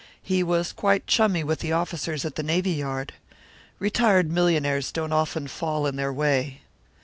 "He was quite chummy with the officers at the Navy Yard. Retired millionaires don't often fall in their way."